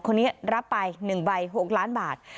คนนี้รับไป๑ใบ๖ล้านบาท